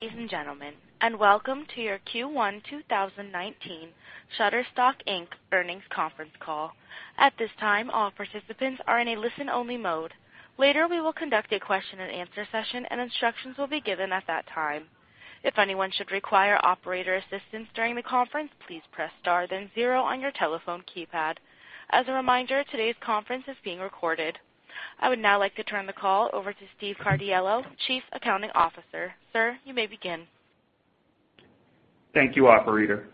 Ladies and gentlemen, and welcome to your Q1 2019 Shutterstock, Inc. earnings conference call. At this time, all participants are in a listen-only mode. Later, we will conduct a question and answer session, and instructions will be given at that time. If anyone should require operator assistance during the conference, please press star then zero on your telephone keypad. As a reminder, today's conference is being recorded. I would now like to turn the call over to Steve Cardiello, Chief Accounting Officer. Sir, you may begin. Thank you, operator.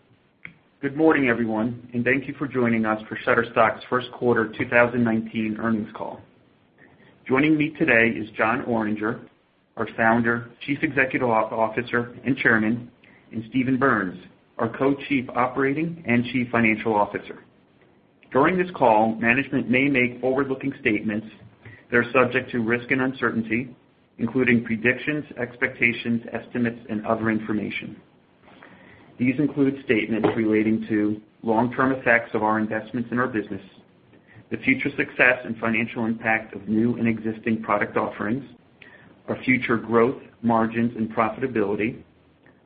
Good morning, everyone, and thank you for joining us for Shutterstock's first quarter 2019 earnings call. Joining me today is Jon Oringer, our Founder, Chief Executive Officer, and Chairman, and Steven Berns, our Co-Chief Operating and Chief Financial Officer. During this call, management may make forward-looking statements that are subject to risk and uncertainty, including predictions, expectations, estimates, and other information. These include statements relating to long-term effects of our investments in our business, the future success and financial impact of new and existing product offerings, our future growth, margins, and profitability,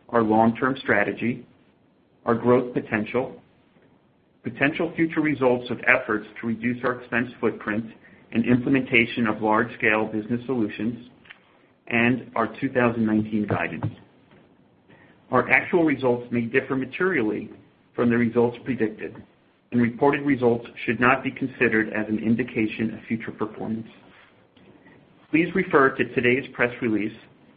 our long-term strategy, our growth potential future results of efforts to reduce our expense footprint and implementation of large-scale business solutions, and our 2019 guidance. Our actual results may differ materially from the results predicted, and reported results should not be considered as an indication of future performance. Please refer to today's press release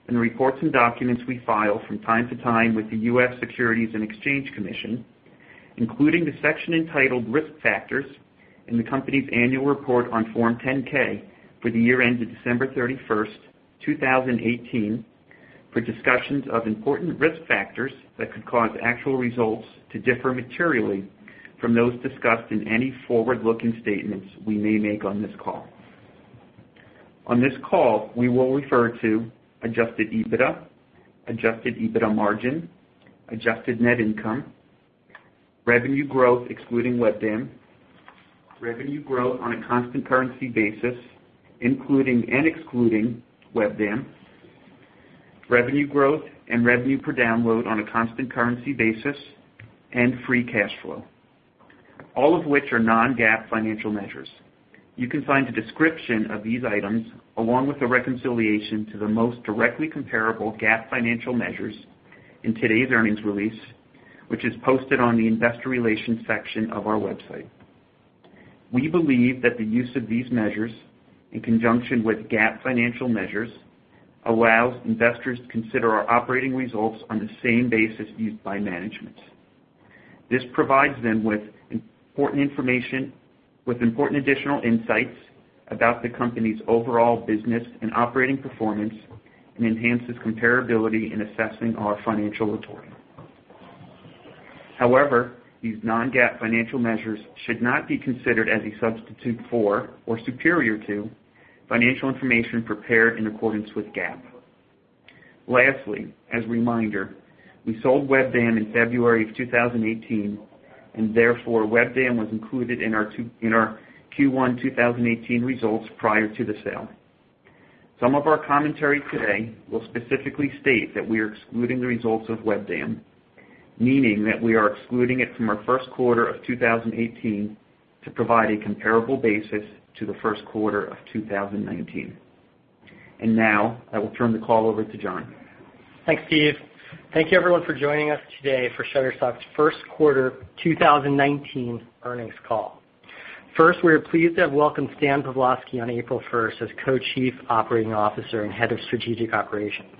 and reports and documents we file from time to time with the U.S. Securities and Exchange Commission, including the section entitled Risk Factors in the company's annual report on Form 10-K for the year ended December 31st, 2018, for discussions of important risk factors that could cause actual results to differ materially from those discussed in any forward-looking statements we may make on this call. On this call, we will refer to adjusted EBITDA, adjusted EBITDA margin, adjusted net income, revenue growth excluding Webdam, revenue growth on a constant currency basis, including and excluding Webdam, revenue growth and revenue per download on a constant currency basis, and free cash flow, all of which are non-GAAP financial measures. You can find a description of these items along with a reconciliation to the most directly comparable GAAP financial measures in today's earnings release, which is posted on the investor relations section of our website. We believe that the use of these measures, in conjunction with GAAP financial measures, allows investors to consider our operating results on the same basis used by management. This provides them with important additional insights about the company's overall business and operating performance and enhances comparability in assessing our financial reporting. However, these non-GAAP financial measures should not be considered as a substitute for or superior to financial information prepared in accordance with GAAP. Lastly, as a reminder, we sold Webdam in February of 2018, and therefore, Webdam was included in our Q1 2018 results prior to the sale. Some of our commentary today will specifically state that we are excluding the results of Webdam, meaning that we are excluding it from our first quarter of 2018 to provide a comparable basis to the first quarter of 2019. Now, I will turn the call over to Jon. Thanks, Steve. Thank you everyone for joining us today for Shutterstock's first quarter 2019 earnings call. First, we are pleased to have welcomed Stan Pavlovsky on April 1st as Co-Chief Operating Officer and Head of Strategic Operations.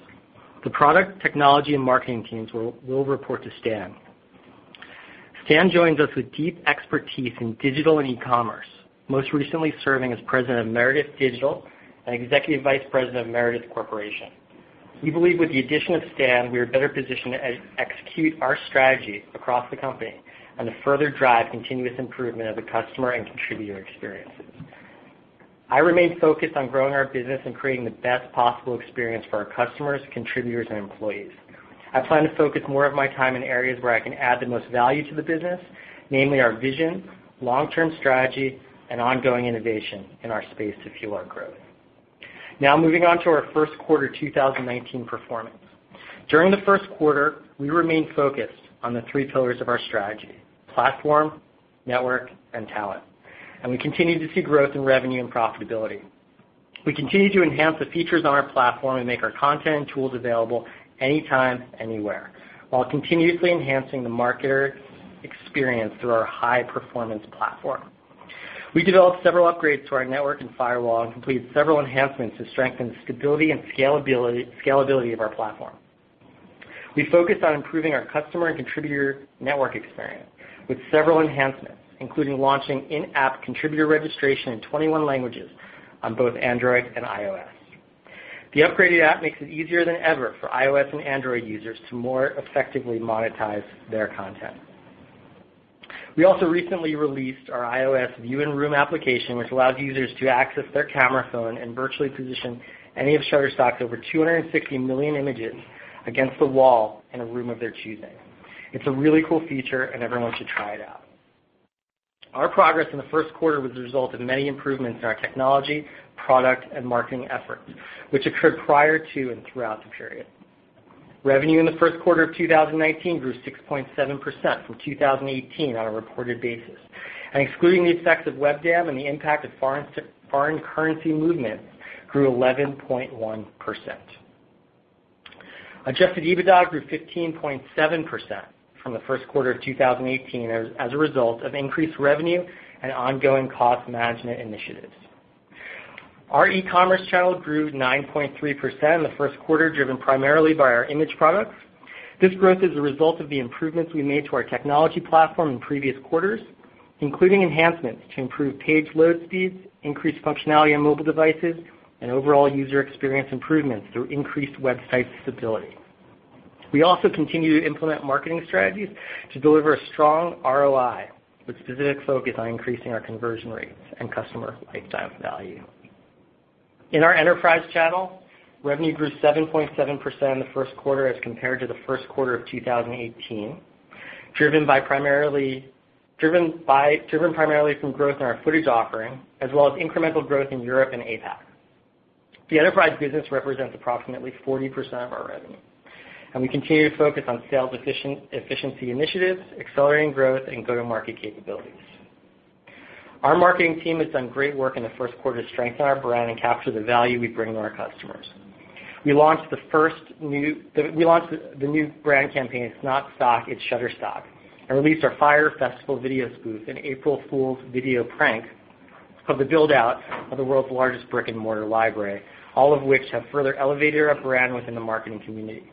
The product, technology, and marketing teams will report to Stan. Stan joins us with deep expertise in digital and e-commerce, most recently serving as President of Meredith Digital and Executive Vice President of Meredith Corporation. We believe with the addition of Stan, we are better positioned to execute our strategy across the company and to further drive continuous improvement of the customer and contributor experiences. I remain focused on growing our business and creating the best possible experience for our customers, contributors, and employees. I plan to focus more of my time in areas where I can add the most value to the business, namely our vision, long-term strategy, and ongoing innovation in our space to fuel our growth. Now moving on to our first quarter 2019 performance. During the first quarter, we remained focused on the three pillars of our strategy, platform, network, and talent, and we continued to see growth in revenue and profitability. We continued to enhance the features on our platform and make our content and tools available anytime, anywhere, while continuously enhancing the marketer experience through our high-performance platform. We developed several upgrades to our network and firewall and completed several enhancements to strengthen the stability and scalability of our platform. We focused on improving our customer and contributor network experience with several enhancements, including launching in-app contributor registration in 21 languages on both Android and iOS. The upgraded app makes it easier than ever for iOS and Android users to more effectively monetize their content. We also recently released our iOS View in Room application, which allows users to access their camera phone and virtually position any of Shutterstock's over 260 million images against the wall in a room of their choosing. It's a really cool feature, and everyone should try it out. Our progress in the first quarter was a result of many improvements in our technology, product, and marketing efforts, which occurred prior to and throughout the period. Revenue in the first quarter of 2019 grew 6.7% from 2018 on a reported basis, and excluding the effects of Webdam and the impact of foreign currency movement, grew 11.1%. Adjusted EBITDA grew 15.7% from the first quarter of 2018 as a result of increased revenue and ongoing cost management initiatives. Our e-commerce channel grew 9.3% in the first quarter, driven primarily by our image products. This growth is a result of the improvements we made to our technology platform in previous quarters, including enhancements to improve page load speeds, increased functionality on mobile devices, and overall user experience improvements through increased website stability. We also continue to implement marketing strategies to deliver a strong ROI, with specific focus on increasing our conversion rates and customer lifetime value. In our enterprise channel, revenue grew 7.7% in the first quarter as compared to the first quarter of 2018, driven primarily from growth in our footage offering, as well as incremental growth in Europe and APAC. The enterprise business represents approximately 40% of our revenue, and we continue to focus on sales efficiency initiatives, accelerating growth, and go-to-market capabilities. Our marketing team has done great work in the first quarter to strengthen our brand and capture the value we bring to our customers. We launched the new brand campaign, It's Not Stock, It's Shutterstock, and released our Fyre Festival video spoof in April Fools' video prank of the build-out of the world's largest brick-and-mortar library, all of which have further elevated our brand within the marketing community.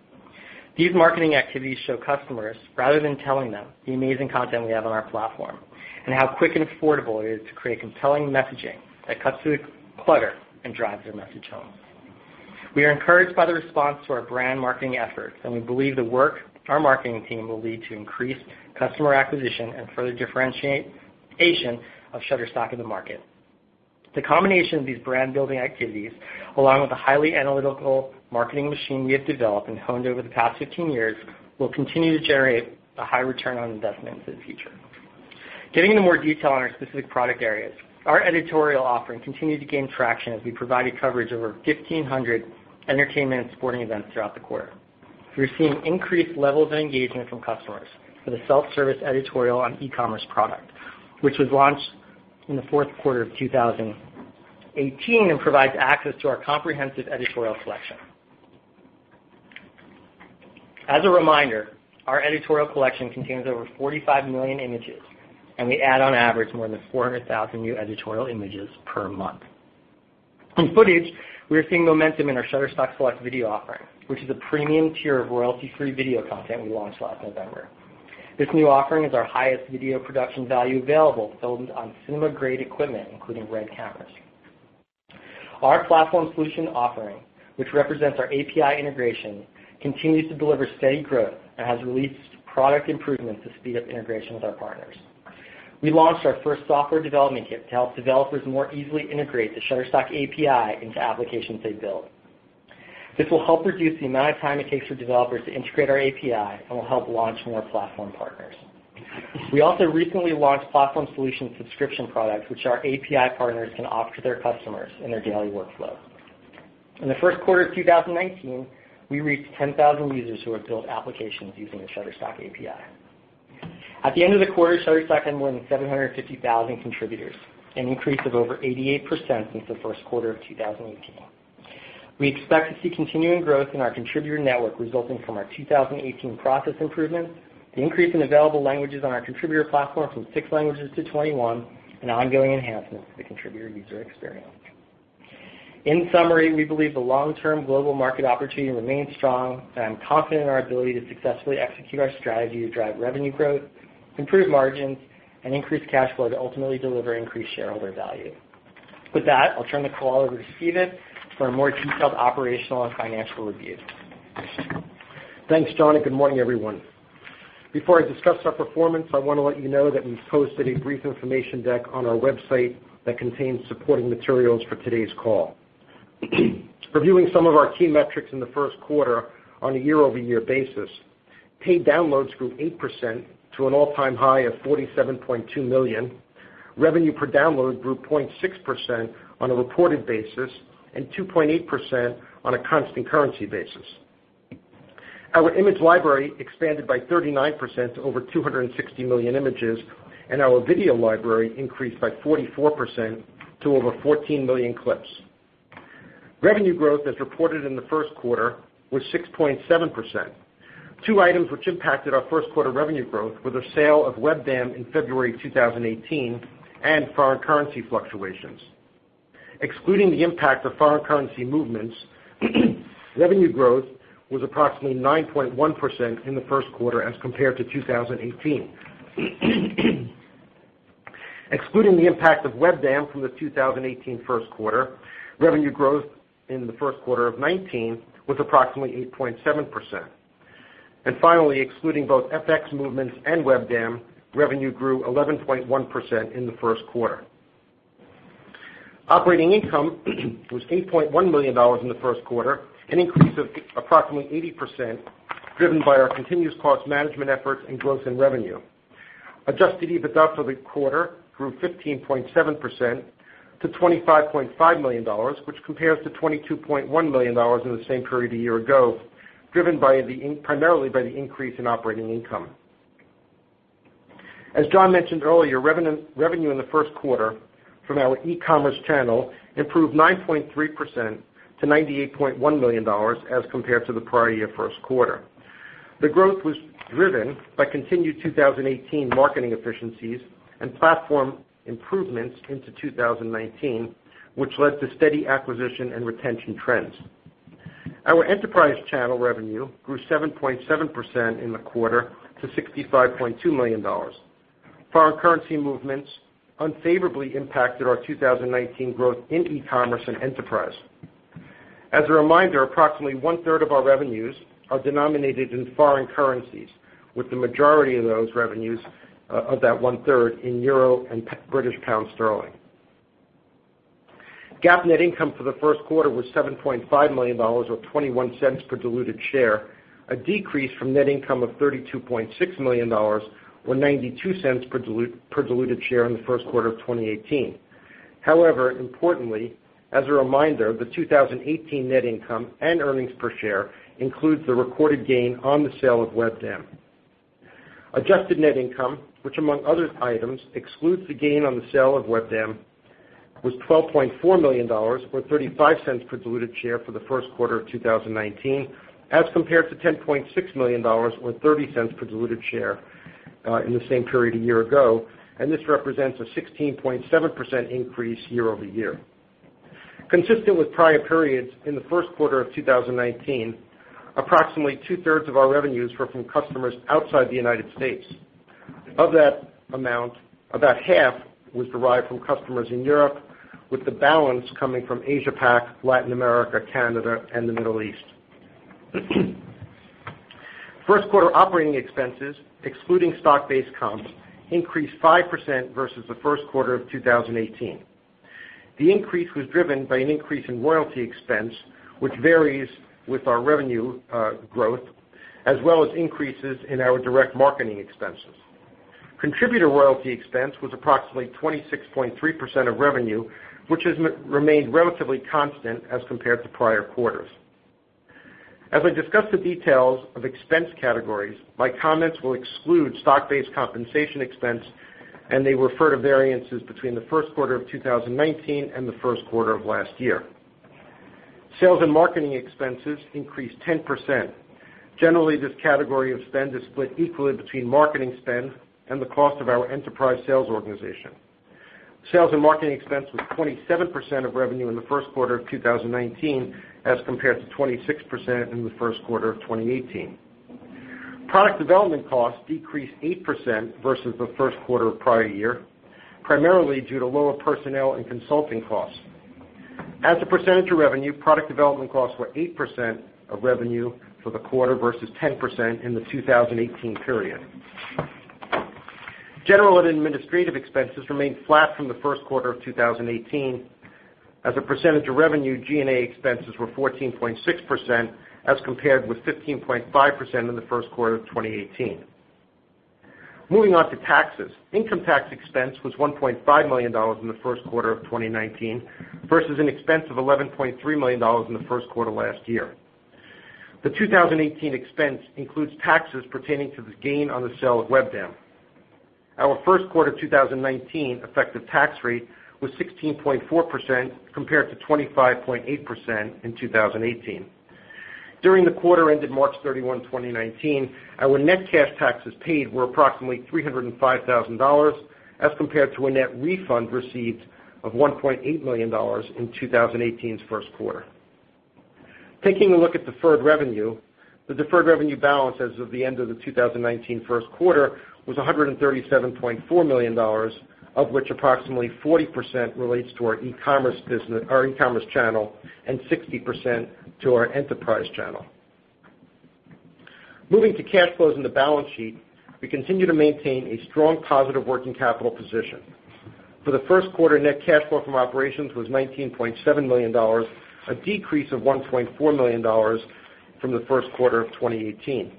These marketing activities show customers, rather than telling them, the amazing content we have on our platform, and how quick and affordable it is to create compelling messaging that cuts through the clutter and drives their message home. We are encouraged by the response to our brand marketing efforts, and we believe the work of our marketing team will lead to increased customer acquisition and further differentiation of Shutterstock in the market. The combination of these brand-building activities, along with the highly analytical marketing machine we have developed and honed over the past 15 years, will continue to generate a high return on investment in the future. Getting into more detail on our specific product areas. Our editorial offering continued to gain traction as we provided coverage over 1,500 entertainment and sporting events throughout the quarter. We are seeing increased levels of engagement from customers for the self-service editorial on e-commerce product, which was launched in the fourth quarter of 2018 and provides access to our comprehensive editorial selection. As a reminder, our editorial collection contains over 45 million images, and we add on average more than 400,000 new editorial images per month. In footage, we are seeing momentum in our Shutterstock Select video offering, which is a premium tier of royalty-free video content we launched last November. This new offering is our highest video production value available, filmed on cinema-grade equipment, including RED cameras. Our platform solution offering, which represents our API integration, continues to deliver steady growth and has released product improvements to speed up integration with our partners. We launched our first software development kit to help developers more easily integrate the Shutterstock API into applications they build. This will help reduce the amount of time it takes for developers to integrate our API and will help launch more platform partners. We also recently launched platform solution subscription products, which our API partners can offer to their customers in their daily workflow. In the first quarter of 2019, we reached 10,000 users who have built applications using the Shutterstock API. At the end of the quarter, Shutterstock had more than 750,000 contributors, an increase of over 88% since the first quarter of 2018. We expect to see continuing growth in our contributor network resulting from our 2018 process improvements, the increase in available languages on our contributor platform from six languages to 21, and ongoing enhancements to the contributor user experience. In summary, we believe the long-term global market opportunity remains strong, and I'm confident in our ability to successfully execute our strategy to drive revenue growth, improve margins, and increase cash flow to ultimately deliver increased shareholder value. With that, I'll turn the call over to Steven for a more detailed operational and financial review. Thanks, Jon, good morning, everyone. Before I discuss our performance, I want to let you know that we've posted a brief information deck on our website that contains supporting materials for today's call. Reviewing some of our key metrics in the first quarter on a year-over-year basis, paid downloads grew 8% to an all-time high of 47.2 million. Revenue per download grew 0.6% on a reported basis and 2.8% on a constant currency basis. Our image library expanded by 39% to over 260 million images, and our video library increased by 44% to over 14 million clips. Revenue growth, as reported in the first quarter, was 6.7%. Two items which impacted our first quarter revenue growth were the sale of Webdam in February 2018 and foreign currency fluctuations. Excluding the impact of foreign currency movements, revenue growth was approximately 9.1% in the first quarter as compared to 2018. Excluding the impact of Webdam from the 2018 first quarter, revenue growth in the first quarter of 2019 was approximately 8.7%. Finally, excluding both FX movements and Webdam, revenue grew 11.1% in the first quarter. Operating income was $8.1 million in the first quarter, an increase of approximately 80%, driven by our continuous cost management efforts and growth in revenue. Adjusted EBITDA for the quarter grew 15.7% to $25.5 million, which compares to $22.1 million in the same period a year ago, driven primarily by the increase in operating income. As Jon mentioned earlier, revenue in the first quarter from our e-commerce channel improved 9.3% to $98.1 million as compared to the prior year first quarter. The growth was driven by continued 2018 marketing efficiencies and platform improvements into 2019, which led to steady acquisition and retention trends. Our enterprise channel revenue grew 7.7% in the quarter to $65.2 million. Foreign currency movements unfavorably impacted our 2019 growth in e-commerce and enterprise. As a reminder, approximately one-third of our revenues are denominated in foreign currencies, with the majority of those revenues of that one-third in euro and British pound sterling. GAAP net income for the first quarter was $7.5 million, or $0.21 per diluted share, a decrease from net income of $32.6 million, or $0.92 per diluted share in the first quarter of 2018. Importantly, as a reminder, the 2018 net income and earnings per share includes the recorded gain on the sale of Webdam. Adjusted net income, which among other items excludes the gain on the sale of Webdam, was $12.4 million, or $0.35 per diluted share for the first quarter of 2019, as compared to $10.6 million or $0.30 per diluted share in the same period a year ago. This represents a 16.7% increase year-over-year. Consistent with prior periods, in the first quarter of 2019, approximately two-thirds of our revenues were from customers outside the U.S. Of that amount, about half was derived from customers in Europe, with the balance coming from Asia Pac, Latin America, Canada, and the Middle East. First quarter operating expenses, excluding stock-based comps, increased 5% versus the first quarter of 2018. The increase was driven by an increase in royalty expense, which varies with our revenue growth, as well as increases in our direct marketing expenses. Contributor royalty expense was approximately 26.3% of revenue, which has remained relatively constant as compared to prior quarters. As I discuss the details of expense categories, my comments will exclude stock-based compensation expense. They refer to variances between the first quarter of 2019 and the first quarter of last year. Sales and marketing expenses increased 10%. Generally, this category of spend is split equally between marketing spend and the cost of our enterprise sales organization. Sales and marketing expense was 27% of revenue in the first quarter of 2019 as compared to 26% in the first quarter of 2018. Product development costs decreased 8% versus the first quarter of prior year, primarily due to lower personnel and consulting costs. As a percentage of revenue, product development costs were 8% of revenue for the quarter versus 10% in the 2018 period. General and administrative expenses remained flat from the first quarter of 2018. As a percentage of revenue, G&A expenses were 14.6% as compared with 15.5% in the first quarter of 2018. Moving on to taxes. Income tax expense was $1.5 million in the first quarter of 2019 versus an expense of $11.3 million in the first quarter last year. The 2018 expense includes taxes pertaining to the gain on the sale of Webdam. Our first quarter 2019 effective tax rate was 16.4% compared to 25.8% in 2018. During the quarter ended March 31, 2019, our net cash taxes paid were approximately $305,000 as compared to a net refund received of $1.8 million in 2018's first quarter. Taking a look at deferred revenue, the deferred revenue balance as of the end of the 2019 first quarter was $137.4 million, of which approximately 40% relates to our e-commerce channel and 60% to our enterprise channel. Moving to cash flows and the balance sheet, we continue to maintain a strong positive working capital position. For the first quarter, net cash flow from operations was $19.7 million, a decrease of $1.4 million from the first quarter of 2018.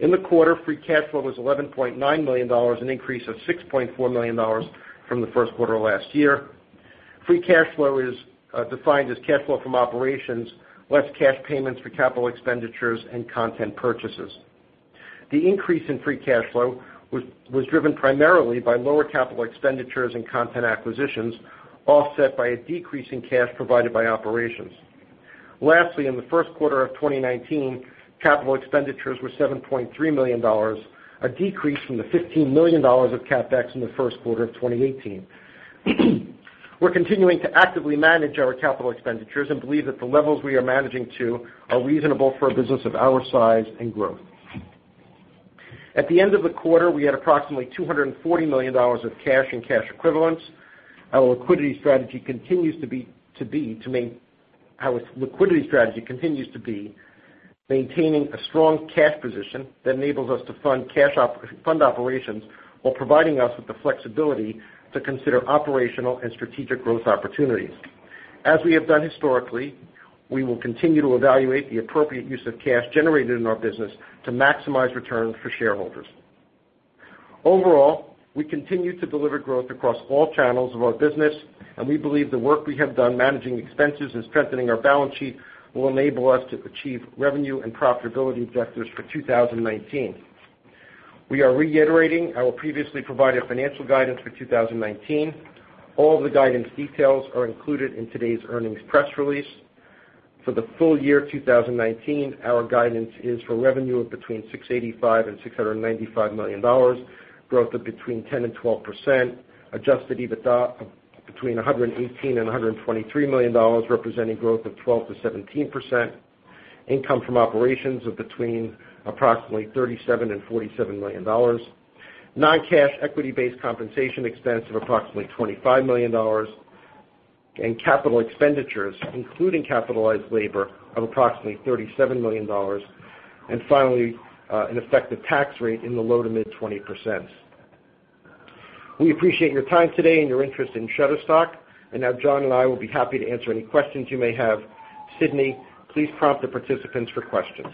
In the quarter, free cash flow was $11.9 million, an increase of $6.4 million from the first quarter of last year. Free cash flow is defined as cash flow from operations, less cash payments for capital expenditures and content purchases. The increase in free cash flow was driven primarily by lower capital expenditures and content acquisitions, offset by a decrease in cash provided by operations. Lastly, in the first quarter of 2019, capital expenditures were $7.3 million, a decrease from the $15 million of CapEx in the first quarter of 2018. We're continuing to actively manage our capital expenditures and believe that the levels we are managing to are reasonable for a business of our size and growth. At the end of the quarter, we had approximately $240 million of cash and cash equivalents. Our liquidity strategy continues to be maintaining a strong cash position that enables us to fund operations while providing us with the flexibility to consider operational and strategic growth opportunities. As we have done historically, we will continue to evaluate the appropriate use of cash generated in our business to maximize returns for shareholders. We continue to deliver growth across all channels of our business, and we believe the work we have done managing expenses and strengthening our balance sheet will enable us to achieve revenue and profitability objectives for 2019. We are reiterating our previously provided financial guidance for 2019. All the guidance details are included in today's earnings press release. For the full year 2019, our guidance is for revenue of between $685 million and $695 million, growth of between 10% and 12%, adjusted EBITDA between $118 million and $123 million, representing growth of 12%-17%, income from operations of between approximately $37 million and $47 million. Non-cash equity-based compensation expense of approximately $25 million, and capital expenditures, including capitalized labor, of approximately $37 million, and finally, an effective tax rate in the low to mid 20%. We appreciate your time today and your interest in Shutterstock. Now Jon and I will be happy to answer any questions you may have. Sydney, please prompt the participants for questions.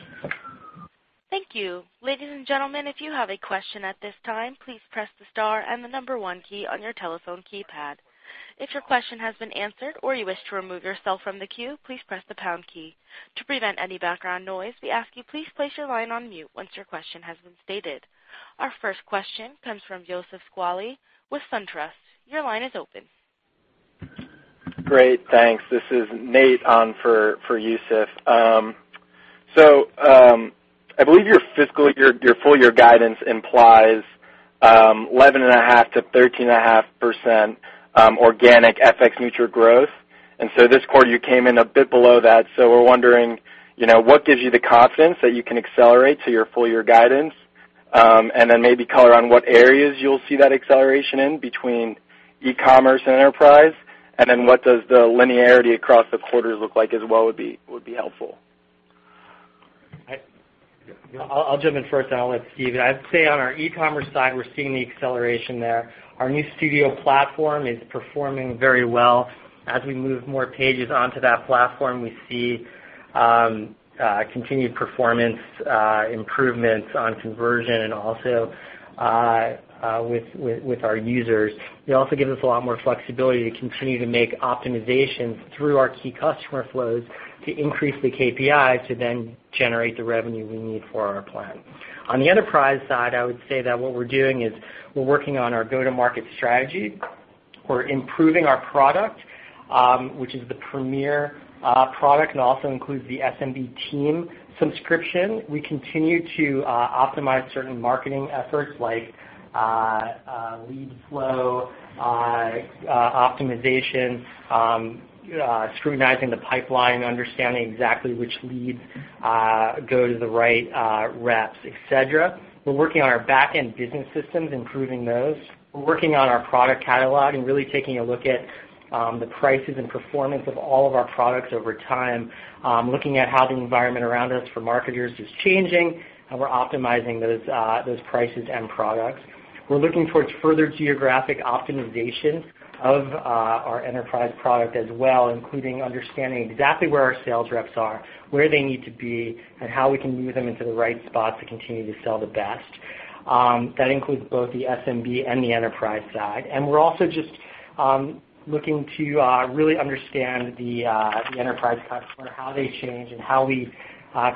Thank you. Ladies and gentlemen, if you have a question at this time, please press the star and the number one key on your telephone keypad. If your question has been answered or you wish to remove yourself from the queue, please press the pound key. To prevent any background noise, we ask you please place your line on mute once your question has been stated. Our first question comes from Youssef Squali with SunTrust. Your line is open. Great, thanks. This is Nate on for Youssef. I believe your full year guidance implies 11.5%-13.5% organic FX neutral growth. This quarter you came in a bit below that. We're wondering what gives you the confidence that you can accelerate to your full year guidance? Maybe color on what areas you'll see that acceleration in between e-commerce and enterprise, what does the linearity across the quarters look like as well would be helpful. I'll jump in first, then I'll let Steve. On our e-commerce side, we're seeing the acceleration there. Our new studio platform is performing very well. As we move more pages onto that platform, we see continued performance improvements on conversion and also with our users. It also gives us a lot more flexibility to continue to make optimizations through our key customer flows to increase the KPI to then generate the revenue we need for our plan. On the enterprise side, what we're doing is we're working on our go-to-market strategy. We're improving our product, which is the Premier product, and also includes the SMB team subscription. We continue to optimize certain marketing efforts like lead flow optimization, scrutinizing the pipeline, understanding exactly which leads go to the right reps, et cetera. We're working on our back-end business systems, improving those. We're working on our product catalog, taking a look at the prices and performance of all of our products over time, looking at how the environment around us for marketers is changing, and we're optimizing those prices and products. We're looking towards further geographic optimization of our enterprise product as well, including understanding exactly where our sales reps are, where they need to be, and how we can move them into the right spot to continue to sell the best. That includes both the SMB and the enterprise side. We're also looking to understand the enterprise customer, how they change, and how we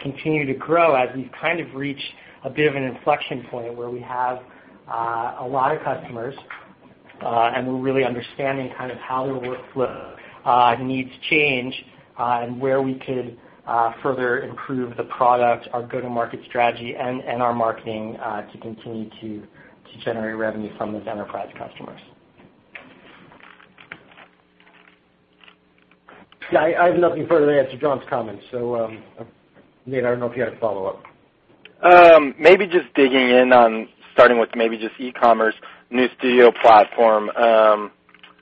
continue to grow as we've reached a bit of an inflection point where we have a lot of customers, and we're understanding how their workflow needs change, and where we could further improve the product, our go-to-market strategy, and our marketing to continue to generate revenue from those enterprise customers. I have nothing further to add to Jon's comments. Nate, I don't know if you had a follow-up. Maybe just digging in on starting with maybe just e-commerce new studio platform.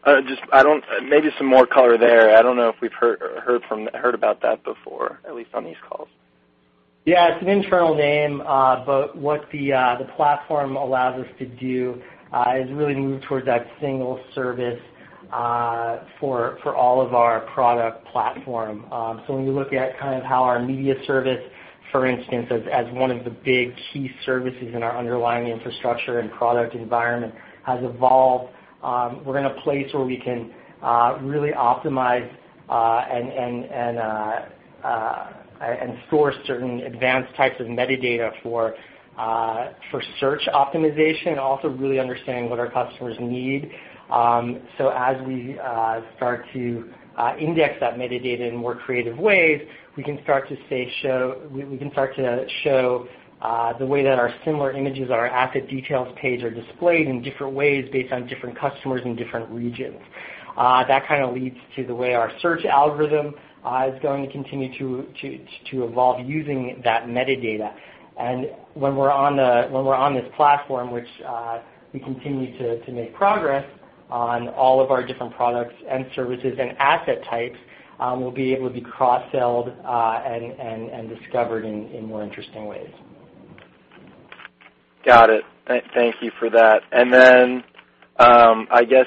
Maybe some more color there. I don't know if we've heard about that before, at least on these calls. Yeah. It's an internal name, what the platform allows us to do is really move towards that single service for all of our product platform. When we look at kind of how our media service, for instance, as one of the big key services in our underlying infrastructure and product environment has evolved, we're in a place where we can really optimize and store certain advanced types of metadata for search optimization, and also really understanding what our customers need. As we start to index that metadata in more creative ways, we can start to show the way that our similar images, our asset details page are displayed in different ways based on different customers in different regions. That kind of leads to the way our search algorithm is going to continue to evolve using that metadata. When we're on this platform, which we continue to make progress on all of our different products and services and asset types, we'll be able to be cross-sold and discovered in more interesting ways. Got it. Thank you for that. I guess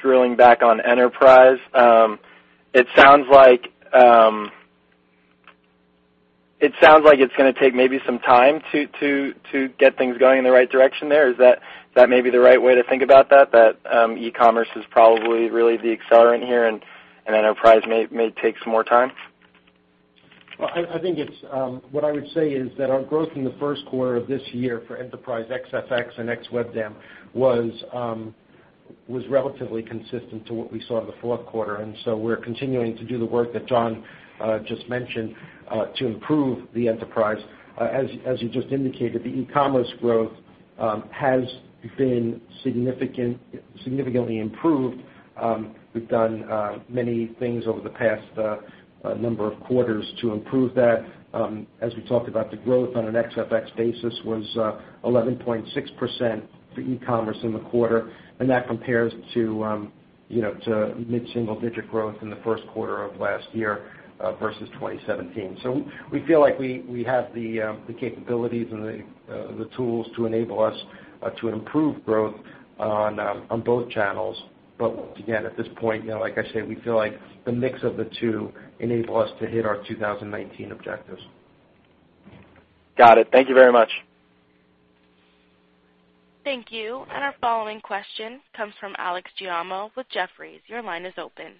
drilling back on enterprise, it sounds like it's going to take maybe some time to get things going in the right direction there. Is that maybe the right way to think about that? That e-commerce is probably really the accelerant here, and enterprise may take some more time? Well, what I would say is that our growth in the first quarter of this year for enterprise ex-FX and ex-Webdam was relatively consistent to what we saw in the fourth quarter. We're continuing to do the work that Jon just mentioned, to improve the enterprise. As you just indicated, the e-commerce growth has been significantly improved. We've done many things over the past number of quarters to improve that. As we talked about the growth on an ex-FX basis was 11.6% for e-commerce in the quarter, and that compares to mid-single digit growth in the first quarter of last year versus 2017. We feel like we have the capabilities and the tools to enable us to improve growth on both channels. Once again, at this point, like I said, we feel like the mix of the two enable us to hit our 2019 objectives. Got it. Thank you very much. Thank you. Our following question comes from Alex Giaimo with Jefferies. Your line is open.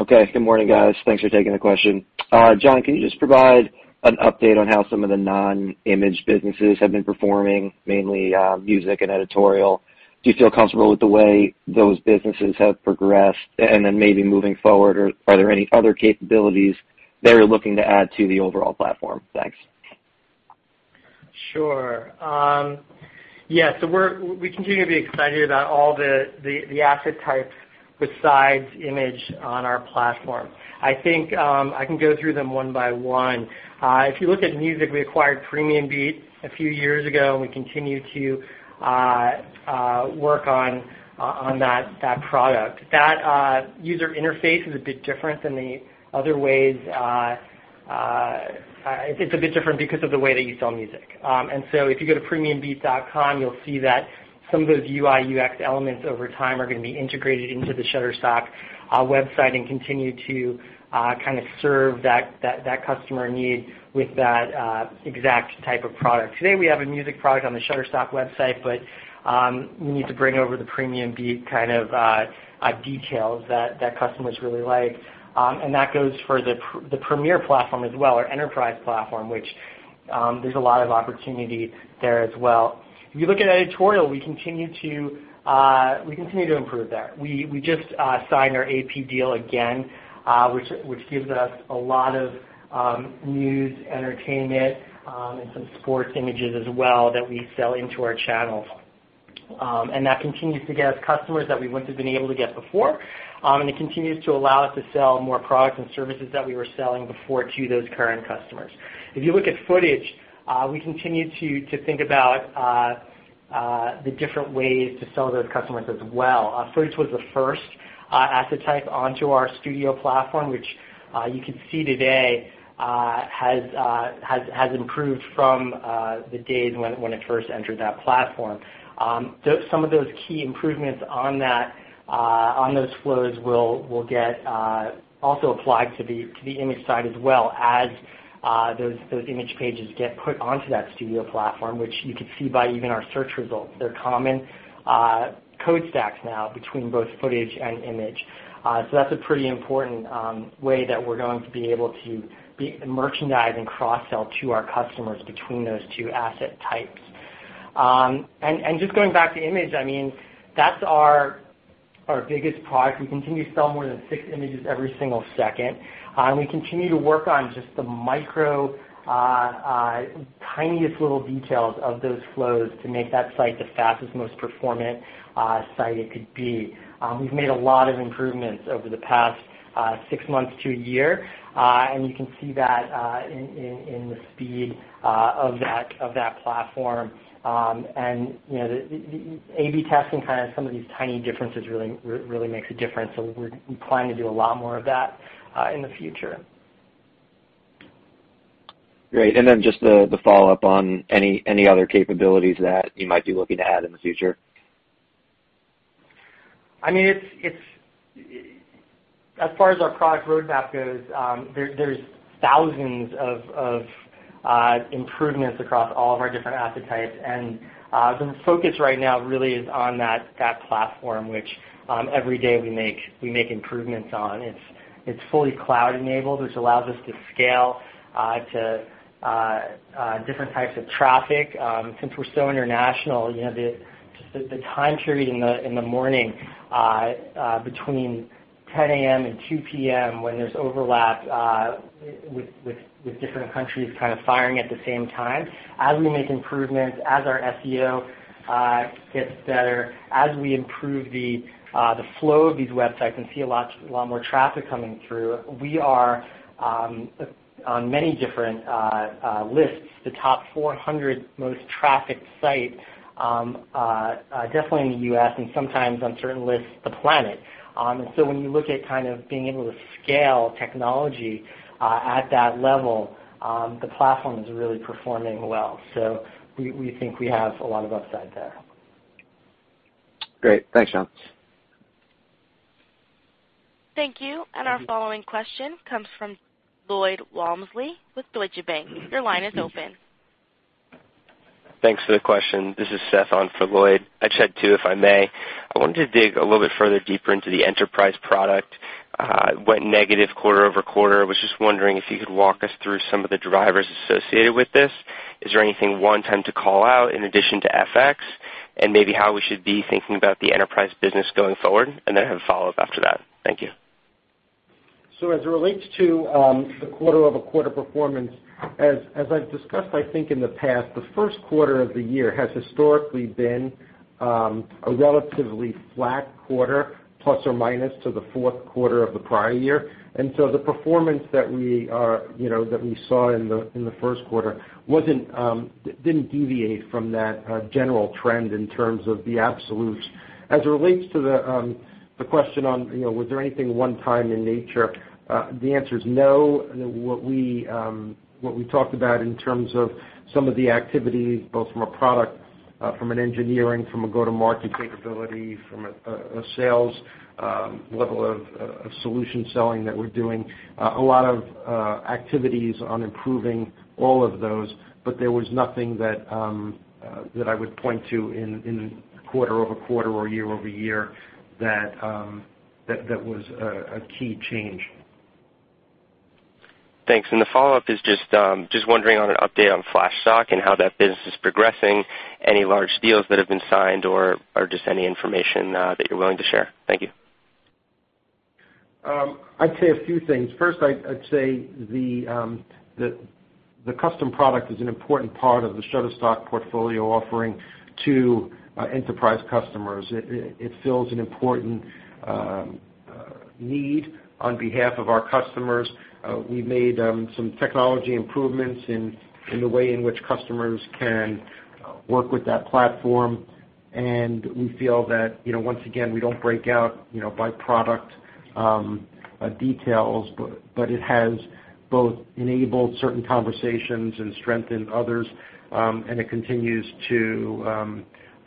Okay. Good morning, guys. Thanks for taking the question. Jon, can you just provide an update on how some of the non-image businesses have been performing, mainly music and editorial? Do you feel comfortable with the way those businesses have progressed? Maybe moving forward, are there any other capabilities that you're looking to add to the overall platform? Thanks. Sure. We continue to be excited about all the asset types besides image on our platform. I think I can go through them one by one. If you look at music, we acquired PremiumBeat a few years ago, and we continue to work on that product. That user interface is a bit different because of the way that you sell music. If you go to premiumbeat.com, you'll see that some of those UI/UX elements over time are going to be integrated into the Shutterstock website and continue to kind of serve that customer need with that exact type of product. Today, we have a music product on the Shutterstock website, but we need to bring over the PremiumBeat kind of details that customers really like. That goes for the Premier platform as well, our enterprise platform, which there's a lot of opportunity there as well. If you look at editorial, we continue to improve there. We just signed our AP deal again, which gives us a lot of news, entertainment, and some sports images as well that we sell into our channels. That continues to get us customers that we wouldn't have been able to get before. It continues to allow us to sell more products and services that we were selling before to those current customers. If you look at footage, we continue to think about the different ways to sell to those customers as well. Footage was the first asset type onto our studio platform, which you can see today has improved from the days when it first entered that platform. Some of those key improvements on those flows will get also applied to the image side as well as those image pages get put onto that studio platform, which you can see by even our search results. They're common code stacks now between both footage and image. That's a pretty important way that we're going to be able to merchandise and cross-sell to our customers between those two asset types. Just going back to image, that's our biggest product. We continue to sell more than six images every single second. We continue to work on just the micro tiniest little details of those flows to make that site the fastest, most performant site it could be. We've made a lot of improvements over the past six months to a year. You can see that in the speed of that platform. A/B testing kind of some of these tiny differences really makes a difference. We plan to do a lot more of that in the future. Great. Just the follow-up on any other capabilities that you might be looking to add in the future. As far as our product roadmap goes, there's thousands of improvements across all of our different asset types, and the focus right now really is on that platform, which every day we make improvements on. It's fully cloud-enabled, which allows us to scale to different types of traffic. Since we're so international, just the time period in the morning between 10:00 A.M. and 2:00 P.M. when there's overlap with different countries kind of firing at the same time. As we make improvements, as our SEO gets better, as we improve the flow of these websites and see a lot more traffic coming through, we are on many different lists, the top 400 most trafficked site definitely in the U.S. and sometimes on certain lists, the planet. When you look at kind of being able to scale technology at that level, the platform is really performing well. We think we have a lot of upside there. Great. Thanks, Jon. Thank you. Our following question comes from Lloyd Walmsley with Deutsche Bank. Your line is open. Thanks for the question. This is Seth on for Lloyd. I'd chat too, if I may. I wanted to dig a little bit further deeper into the enterprise product. It went negative quarter-over-quarter. I was just wondering if you could walk us through some of the drivers associated with this. Is there anything one-time to call out in addition to FX? Maybe how we should be thinking about the enterprise business going forward, and then I have a follow-up after that. Thank you. As it relates to the quarter-over-quarter performance, as I've discussed, I think, in the past, the first quarter of the year has historically been a relatively flat quarter, plus or minus, to the fourth quarter of the prior year. The performance that we saw in the first quarter didn't deviate from that general trend in terms of the absolutes. As it relates to the question on, was there anything one-time in nature? The answer is no. What we talked about in terms of some of the activity, both from a product, from an engineering, from a go-to-market capability, from a sales level of solution selling that we're doing, a lot of activities on improving all of those, but there was nothing that I would point to in quarter-over-quarter or year-over-year that was a key change. Thanks. The follow-up is just wondering on an update on Flashstock and how that business is progressing, any large deals that have been signed or just any information that you're willing to share. Thank you. I'd say a few things. First, I'd say the custom product is an important part of the Shutterstock portfolio offering to enterprise customers. It fills an important need on behalf of our customers. We've made some technology improvements in the way in which customers can work with that platform, we feel that, once again, we don't break out by product details, but it has both enabled certain conversations and strengthened others, it continues to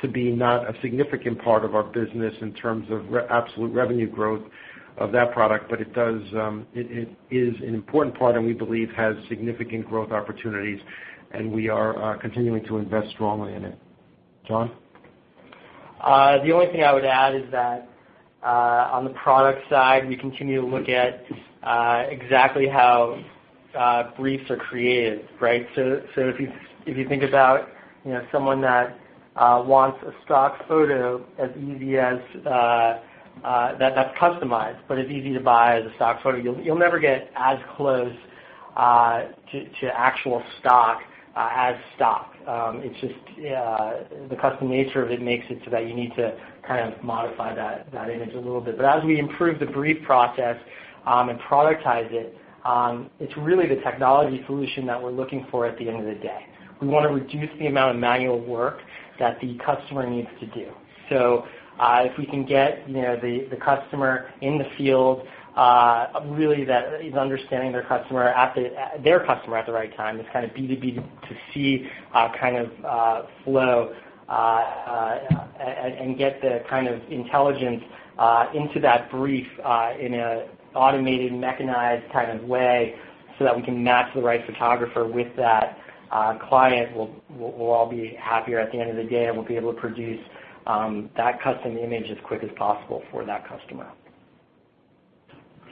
be not a significant part of our business in terms of absolute revenue growth of that product. It is an important part, we believe has significant growth opportunities, and we are continuing to invest strongly in it. Jon? The only thing I would add is that, on the product side, we continue to look at exactly how briefs are created. Right? If you think about someone that wants a stock photo that's customized but is easy to buy as a stock photo, you'll never get as close to actual stock as stock. It's just the custom nature of it makes it so that you need to kind of modify that image a little bit. As we improve the brief process and productize it's really the technology solution that we're looking for at the end of the day. We want to reduce the amount of manual work that the customer needs to do. If we can get the customer in the field, really that is understanding their customer at the right time, this kind of B2B2C kind of flow, get the kind of intelligence into that brief in an automated, mechanized kind of way so that we can match the right photographer with that client, we'll all be happier at the end of the day, we'll be able to produce that custom image as quick as possible for that customer.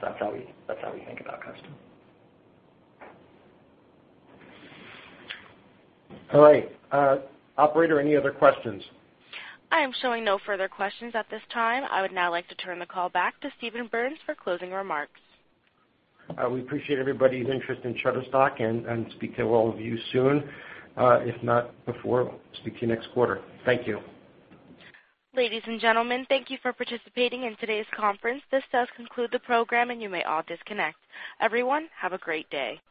That's how we think about custom. All right. Operator, any other questions? I am showing no further questions at this time. I would now like to turn the call back to Steven Berns for closing remarks. We appreciate everybody's interest in Shutterstock and speak to all of you soon. If not before, speak to you next quarter. Thank you. Ladies and gentlemen, thank you for participating in today's conference. This does conclude the program, and you may all disconnect. Everyone, have a great day.